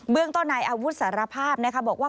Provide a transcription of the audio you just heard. เรื่องต้นนายอาวุธสารภาพนะคะบอกว่า